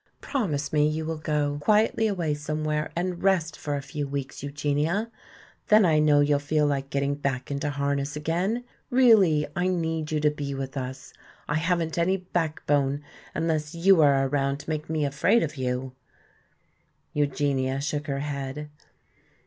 Promise me you will go quietly away somewhere and rest for a few weeks, Eugenia. Then I know you'll feel like getting back into harness again. Really, I need you to be with us. I haven't any backbone unless you are around to make me afraid of you." Eugenia shook her head.